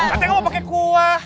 katanya nggak mau pakai kuah